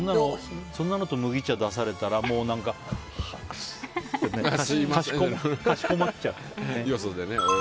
そんなのと麦茶出されたらははーってかしこまっちゃう。